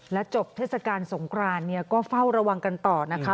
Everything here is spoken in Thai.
จบเทศกาลสงครานเนี่ยก็เฝ้าระวังกันต่อนะคะ